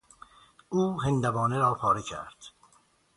او هندوانه را پاره کرد.